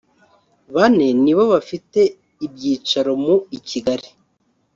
bane nibo bafite ibyicaro mu i Kigali